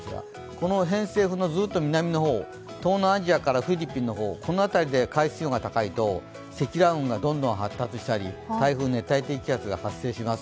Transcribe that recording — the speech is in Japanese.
この偏西風のずっと南の方、東南アジアからフィリピンの方、この辺りで海水温が高いと積乱雲がどんどん発達したり台風、熱帯低気圧が発生します。